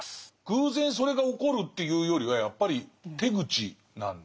偶然それが起こるっていうよりはやっぱり手口なんですね。